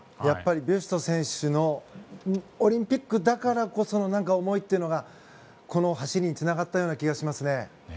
やっぱりビュスト選手のオリンピックだからこその思いというのがこの走りにつながったような気がしますね。